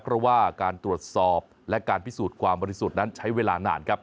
เพราะว่าการตรวจสอบและการพิสูจน์ความบริสุทธิ์นั้นใช้เวลานานครับ